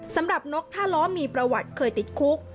สำหรับนกท่าเลาะมีประวัติเคยติดคุก